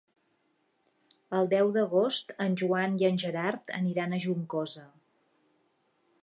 El deu d'agost en Joan i en Gerard aniran a Juncosa.